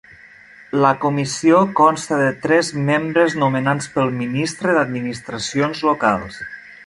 La comissió consta de tres membres nomenats pel Ministre d'Administracions Locals.